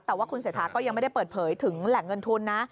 แต่ว่าคุณเศรษฐาก็ยังไม่ได้เปิดเผยถึงแหล่งเงินทุนนะ